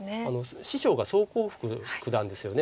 師匠が宋光復九段ですよね。